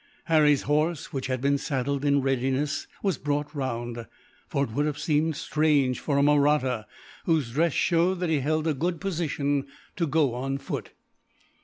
Harry's horse, which had been saddled in readiness, was brought round; for it would have seemed strange for a Mahratta, whose dress showed that he held a good position, to go on foot.